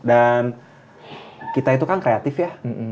dan kita itu kan kreatif ya